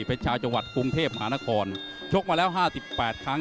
เป็นชาวจังหวัดกรุงเทพมหานครชกมาแล้ว๕๘ครั้ง